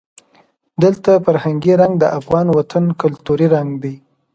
دلته هر فرهنګي رنګ د افغان وطن کلتوري رنګ دی.